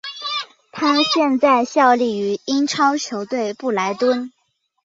他现在效力于英超球队布莱顿。